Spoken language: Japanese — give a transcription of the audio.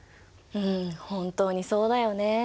うん本当にそうだよねえ。